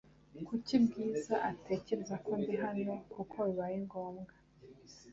Kuki Bwiza atekereza ko ndi hano kuko bibaye ngombwa